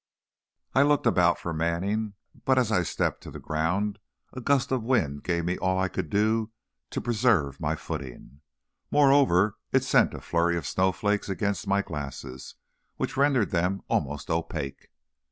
I looked about for Manning, but as I stepped to the ground a gust of wind gave me all I could do to preserve my footing. Moreover, it sent a flurry of snowflakes against my glasses, which rendered them almost opaque.